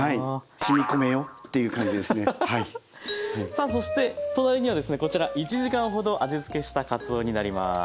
さあそして隣にはですねこちら１時間ほど味付けしたかつおになります。